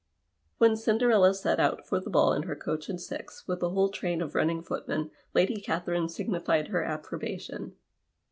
When Cinderella set out for the ball in her eoach and six with a whole train of running footmen Lady Catherine signified her approbation.